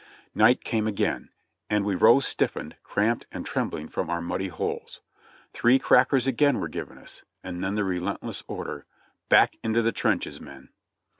Night came again, and we rose stiffened, cramped and trembling from our muddy holes. Three crackers again were given us, and then the relent less order, "Back into the trenches, men!"